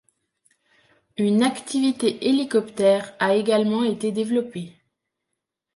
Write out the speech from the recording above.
Une activité hélicoptère a également été développée.